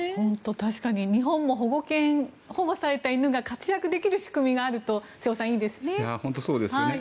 確かに日本も保護犬、保護された犬が活躍できる仕組みがあると瀬尾さん、いいですよね。